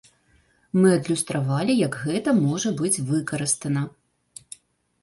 Мы адлюстравалі, як гэта можа быць выкарыстана.